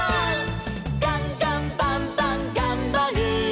「ガンガンバンバンがんばる！」